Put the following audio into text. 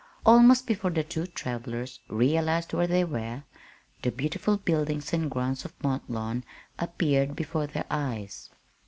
Almost before the two travelers realized where they were, the beautiful buildings and grounds of Mont Lawn appeared before their eyes.